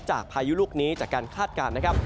พายุลูกนี้จากการคาดการณ์นะครับ